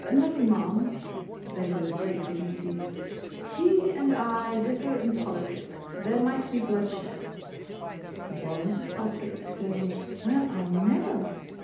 "Nothing, ma'am." Then with great dignity, "He and I differ in politics. There might be bloodshed." And while Mrs. Poskett exclaimed "Well, I never!"